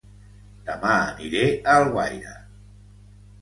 Dema aniré a Alguaire